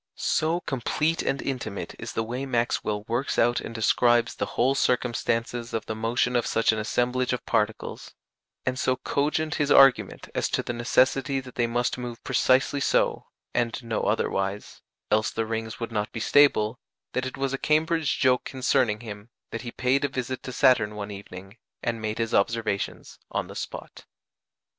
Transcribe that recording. So complete and intimate is the way Maxwell works out and describes the whole circumstances of the motion of such an assemblage of particles, and so cogent his argument as to the necessity that they must move precisely so, and no otherwise, else the rings would not be stable, that it was a Cambridge joke concerning him that he paid a visit to Saturn one evening, and made his observations on the spot.